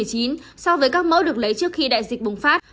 so với các mẫu được lấy trước khi đại dịch bùng phát